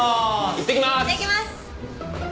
行ってきます。